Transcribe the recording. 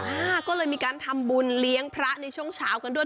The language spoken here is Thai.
อ่าก็เลยมีการทำบุญเลี้ยงพระในช่วงเช้ากันด้วย